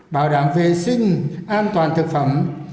bảo đảm vệ sinh an toàn thực phẩm